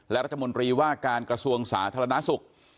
และรัฐมนตรีว่าการกระทรวงสาธารณสุข